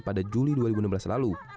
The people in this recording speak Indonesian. pada juli dua ribu enam belas lalu